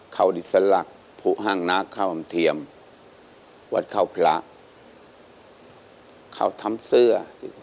เขาดิสลักผู้ห้างนาข้าวอำเทียมวัดเข้าพระเขาทำเสื้อ